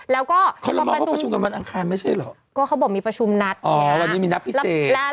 แล้วก็พธุมศ์พธุรินะ